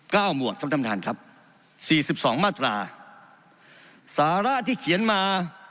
เก้ามวกทำธรรมฐานครับสี่สิบสองมาตราสาระที่เขียนมา